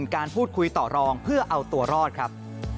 การพูดคุยต่อรองเพื่อเอาตัวรอดครับ